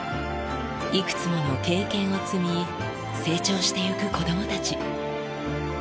いくつもの経験を積み、成長していく子どもたち。